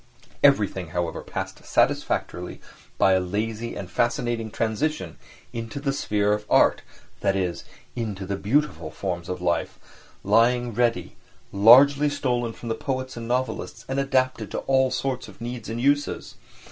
Everything, however, passed satisfactorily by a lazy and fascinating transition into the sphere of art, that is, into the beautiful forms of life, lying ready, largely stolen from the poets and novelists and adapted to all sorts of needs and uses.